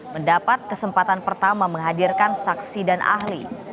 mendapat kesempatan pertama menghadirkan saksi dan ahli